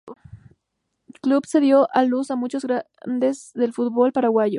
Club que dio a luz a muchos grandes del fútbol paraguayo.